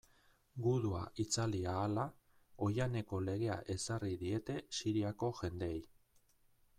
Gudua itzali ahala, oihaneko legea ezarri diete Siriako jendeei.